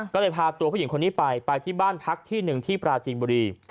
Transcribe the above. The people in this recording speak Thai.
ก็เลยพาตัวผู้หญิงคนนี้ไปไปที่บ้านพักที่หนึ่งที่ปราจีนบุรี